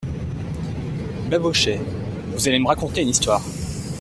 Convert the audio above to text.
Babochet Vous allez me raconter une histoire !